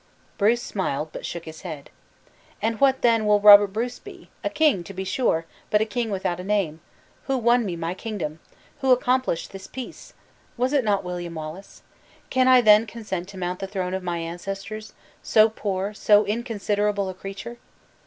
Bruce smiled, but shook his head. "And what then will Robert Bruce be? A king to be sure! but a king without a name! Who won me my kingdom? Who accomplished this peace? Was it not William Wallace? Can I then consent to mount the throne of my ancestors so poor, so inconsiderable a creature?